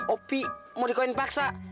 opi mau di koin paksa